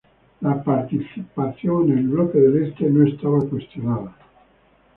La participación en el Bloque del Este no estaba cuestionada.